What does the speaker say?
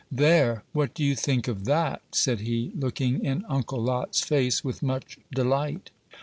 "There! what do you think of that?" said he, looking in Uncle Lot's face with much delight.